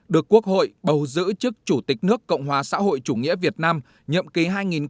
được quốc hội bầu giữ trước chủ tịch nước cộng hòa xã hội chủ nghĩa việt nam nhậm ký hai nghìn hai mươi một hai nghìn hai mươi sáu